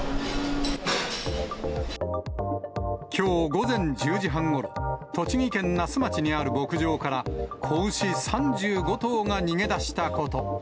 きょう午前１０時半ごろ、栃木県那須町にある牧場から、子牛３５頭が逃げ出したこと。